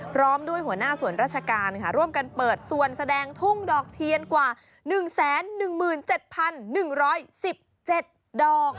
พร้อมด้วยหัวหน้าส่วนราชการค่ะร่วมกันเปิดส่วนแสดงทุ่งดอกเทียนกว่า๑๑๗๑๑๗ดอก